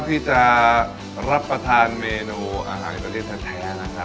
ที่จะรับประทานเมนูอาหารอิตาลีแท้นะครับ